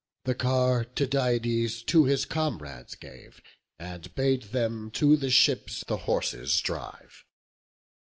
The car Tydides to his comrades gave, And bade them to the ships the horses drive.